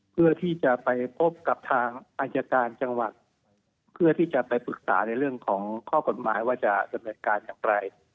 เพื่อที่จะไปพบกับทางอายการจังหวัดเพื่อที่จะไปปรึกษาในเรื่องของข้อกฎหมายว่าจะดำเนินการอย่างไร